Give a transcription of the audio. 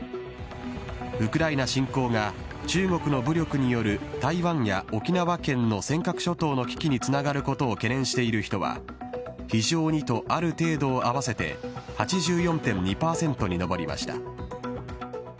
ウクライナ侵攻が、中国の武力による台湾や沖縄県の尖閣諸島の危機につながることを懸念している人は、非常にとある程度を合わせて８４．２％に上りました。